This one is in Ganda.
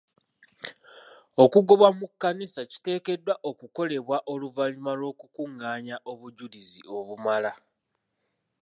Okugobwa mu kkanisa kiteekeddwa okukolebwa oluvannyuma lw'okukungaanya obujulizi obumala.